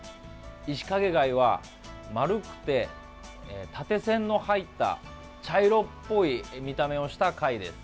イシカゲ貝は丸くて縦線の入った茶色っぽい見た目をした貝です。